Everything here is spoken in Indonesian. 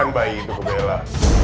berikan bayi itu ke bella